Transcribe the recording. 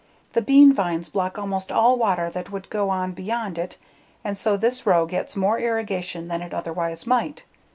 The bean vines block almost all water that would to on beyond it and so this row gets more irrigation than it otherwise might.